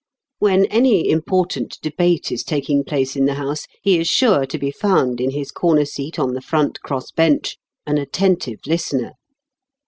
When any important debate is taking place in the House, he is sure to be found in his corner seat on the front Cross Bench, an attentive listener.